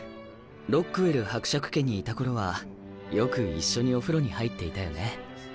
ロックウェル伯爵家にいた頃はよく一緒にお風呂に入っていたよね。